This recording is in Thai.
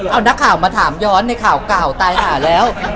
เอานักข่าวมาถามย้อนในข่าวเก่าตายหาแล้ว